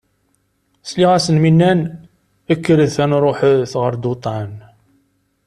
Sliɣ-asen mi nnan: Kkret aad nṛuḥet ɣer Duṭan.